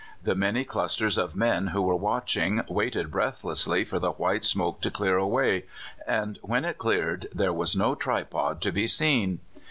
The many clusters of men who were watching waited breathlessly for the white smoke to clear away, and when it cleared there was no tripod to be seen!